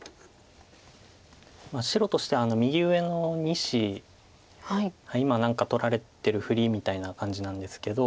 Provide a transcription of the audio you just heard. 白としては右上の２子今何か取られてるフリみたいな感じなんですけど。